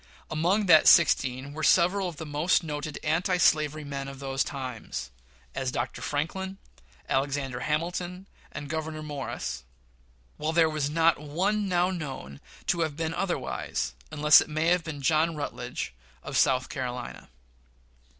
Among that sixteen were several of the most noted anti slavery men of those times as Dr. Franklin, Alexander Hamilton, and Gouverneur Morris while there was not one now known to have been otherwise, unless it may be John Rutledge, of South Carolina.